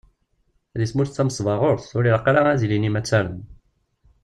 Deg tmurt tamesbaɣurt, ur ilaq ara ad ilin yimattaren.